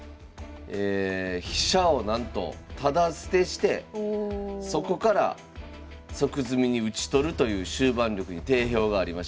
飛車をなんとタダ捨てしてそこから即詰みに討ち取るという終盤力に定評がありました。